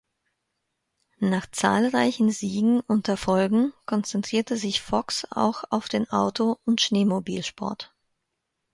Nach zahlreichen Siegen und Erfolgen konzentrierte sich Fox auch auf den Auto- und Schneemobil-Sport.